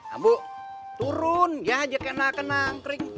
ambu turun jangan aja kena kena angkring